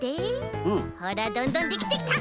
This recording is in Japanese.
ほらどんどんできてきた！